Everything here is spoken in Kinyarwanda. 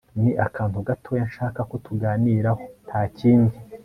ni akantu gatoya nshaka ko tuganiraho ntakindi